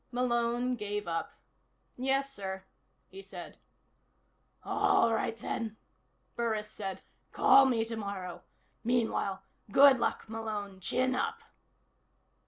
Malone gave up. "Yes, sir," he said. "All right, then," Burris said. "Call me tomorrow. Meanwhile good luck, Malone. Chin up."